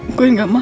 gue gak mau